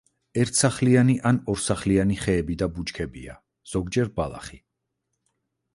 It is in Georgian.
ერთსახლიანი ან ორსახლიანი ხეები და ბუჩქებია, ზოგჯერ ბალახი.